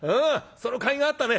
そのかいがあったね。